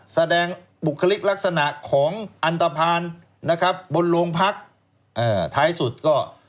แสดงบุคลิกลักษณะของอันตภัณฑ์นะครับบนโรงพักท้ายสุดก็